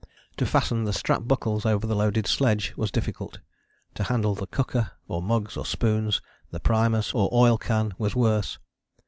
To fasten the strap buckles over the loaded sledge was difficult: to handle the cooker, or mugs, or spoons, the primus or oil can was worse.